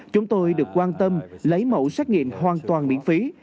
chúng tôi được quan tâm lấy mẫu xét nghiệm hoàn toàn miễn phí